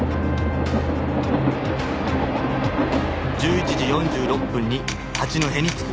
１１時４６分に八戸に着く